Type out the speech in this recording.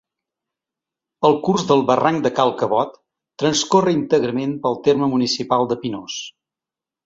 El curs del Barranc de Cal Cabot transcorre íntegrament pel terme municipal de Pinós.